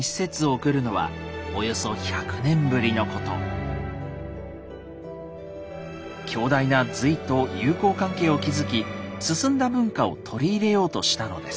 倭国が正式に強大な隋と友好関係を築き進んだ文化を取り入れようとしたのです。